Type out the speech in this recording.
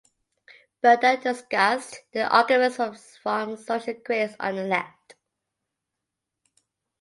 Berle then discussed the arguments from social critics on the left.